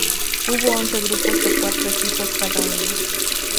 Hubo once grupos de cuatro equipos cada uno.